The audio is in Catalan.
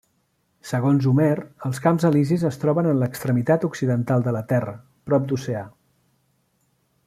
Segons Homer, els camps Elisis es troben en l'extremitat occidental de la Terra, prop d'Oceà.